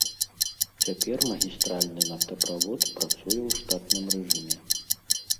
Цяпер магістральны нафтаправод працуе ў штатным рэжыме.